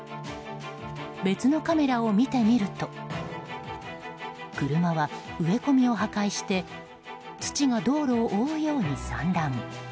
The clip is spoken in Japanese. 別のカメラを見てみると車は植え込みを破壊して土が道路を覆うように散乱。